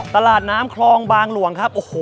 ตลาดน้ำคลองบางหลวงครับโอ้โห